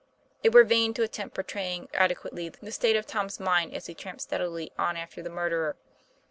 It were vain to attempt portraying adequately the state of Tom's mind as he tramped steadily on after the murderer.